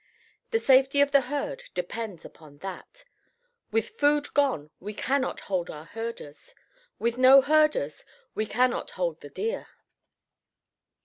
The safety of the herd depends upon that. With food gone we cannot hold our herders. With no herders we cannot hold the deer.